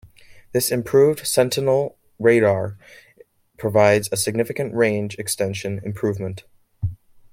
This Improved Sentinel Radar provides a significant range extension improvement.